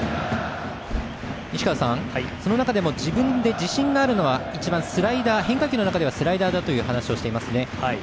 その中でも自分でも自信があるのは一番、変化球の中ではスライダーという話をしていますね。